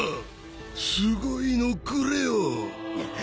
すごいのくれよ。ああ？